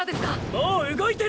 もう動いてる！